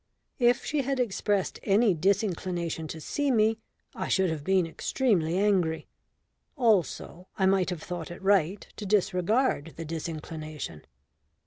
If she had expressed any disinclination to see me I should have been extremely angry; also, I might have thought it right to disregard the disinclination.